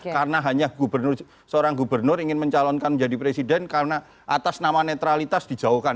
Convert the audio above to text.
karena hanya seorang gubernur ingin mencalonkan menjadi presiden karena atas nama netralitas dijauhkan